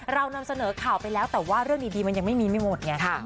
เรานำเสนอข่าวไปแล้วแต่ว่าเรื่องมีไม่ได้หมด